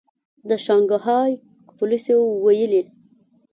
د شانګهای پولیسو ویلي